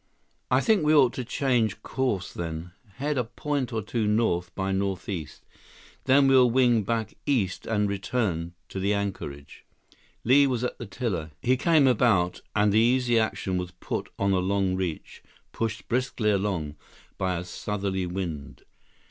"I think we ought to change course, then. Head a point or two north by northeast. Then we'll wing back east and return to the anchorage." Li was at the tiller. He came about, and the Easy Action was put on a long reach, pushed briskly along by a southerly wind.